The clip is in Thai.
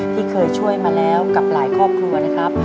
ที่เคยช่วยมาแล้วกับหลายครอบครัวนะครับ